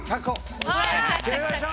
決めましょう！